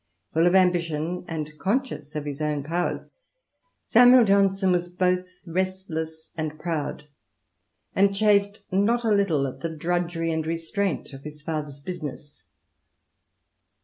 Full of ambition, and conscious of his own powers, Samuel Johnson was both restless and proud, and chafed not a little at the drudgery and restraint of his father's business.